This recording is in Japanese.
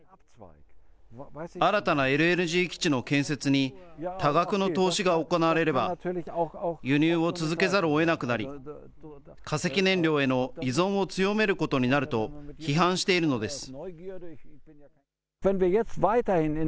新たなＬＮＧ基地の建設に、多額の投資が行われれば、輸入を続けざるをえなくなり、化石燃料への依存を強めることになると批判しているのです。